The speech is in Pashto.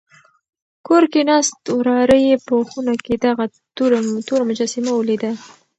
کور کې ناست وراره یې په خونه کې دغه توره مجسمه ولیده.